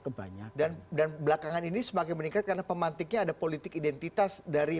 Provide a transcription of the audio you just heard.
kebanyak dan dan belakangan ini semakin meningkat karena pemantiknya ada politik identitas dari